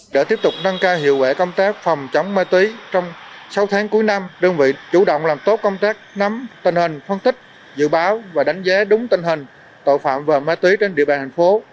để tiếp tục nâng cao hiệu quả công tác phòng chống máy tí trong sáu tháng cuối năm đơn vị chủ động làm tốt công tác nắm tình hình phân tích dự báo và đánh giá đúng tình hình tội phạm về máy tí trên địa bàn thành phố